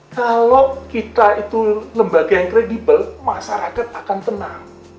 kalau kita itu lembaga yang kredibel masyarakat akan tenang